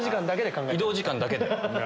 移動時間だけで。